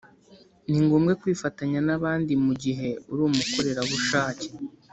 ni ngombwa kwifatanya n‘abandi mu gihe uri umukorerabushake.